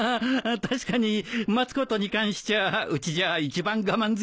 確かに待つことに関しちゃうちじゃあ一番我慢強いかもね。